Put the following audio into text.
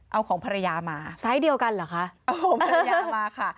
เอาของภรรยามาไซส์เดียวกันเหรอคะเอาของภรรยามาค่ะ